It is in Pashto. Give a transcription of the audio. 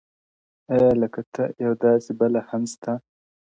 اې لکه ته” يو داسې بله هم سته”